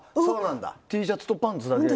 Ｔシャツとパンツだけ。